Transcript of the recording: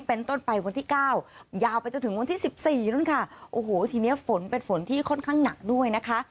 เป็นต้นไปวันที่เก้ายาวไปจนถึงวันที่สิบสี่นู่นค่ะโอ้โหทีนี้ฝนเป็นฝนที่ค่อนข้างหนักด้วยนะคะ